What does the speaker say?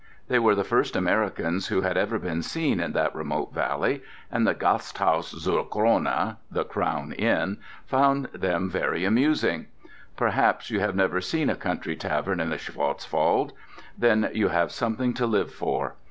They were the first Americans who had ever been seen in that remote valley, and the Gasthaus zur Krone ("the Crown Inn") found them very amusing. Perhaps you have never seen a country tavern in the Schwarzwald? Then you have something to live for.